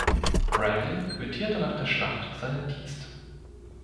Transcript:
Bradley quittierte nach der Schlacht seinen Dienst.